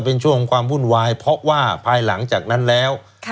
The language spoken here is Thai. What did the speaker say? เป็นช่วงความวุ่นวายเพราะว่าภายหลังจากนั้นแล้ว